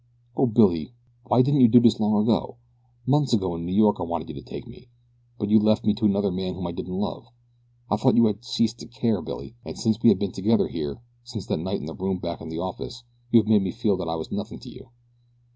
O Billy! Why didn't you do this long ago? Months ago in New York I wanted you to take me; but you left me to another man whom I didn't love. I thought you had ceased to care, Billy, and since we have been together here since that night in the room back of the office you have made me feel that I was nothing to you.